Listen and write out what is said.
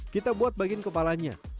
kita buat bagian kepalanya